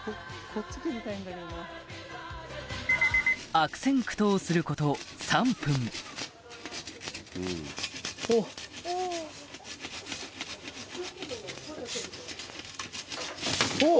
悪戦苦闘すること３分おっ！